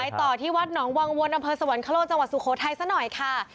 ไปต่อที่วัดหนองวังวลดสวนครโลฯจสุโคไทยสักหน่อยค่ะ